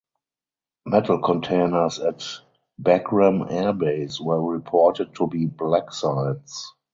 Metal containers at Bagram Air Base were reported to be black sites.